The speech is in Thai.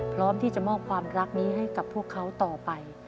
พร้อมที่จะมอบความรักนี้ให้กับพวกเขาต่อไป